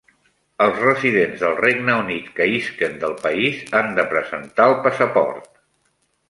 Els residents del Regne Unit que isquen del país han de presentar el passaport.